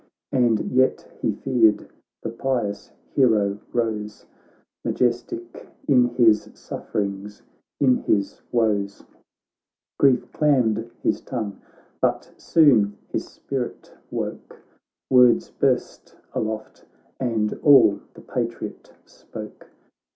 Andyethe feared. The pious hero rose, Majestic in his sufferings, in his woes ; Grief clammed his tongue, but soon his spirit woke, Words burst aloft, and all the Patriot spoke.